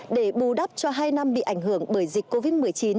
để bù đắp cho hai năm bị ảnh hưởng bởi dịch covid một mươi chín